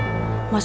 aku ingin mencari